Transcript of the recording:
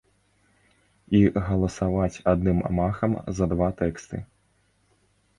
І галасаваць адным махам за два тэксты.